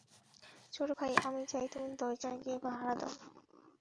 ছোট ভাই, আমি চাই তুমি দরজায় গিয়ে পাহারা দাও।